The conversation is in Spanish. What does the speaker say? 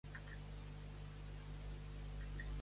Ha llegado a jugar en Segunda División con la U. D. Las Palmas.